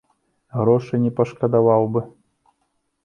Грошы не пашкадаваў бы.